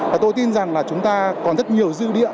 và tôi tin rằng là chúng ta còn rất nhiều dư địa